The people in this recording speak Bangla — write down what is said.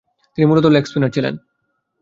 তিনি মূলতঃ লেগ স্পিনার ছিলেন।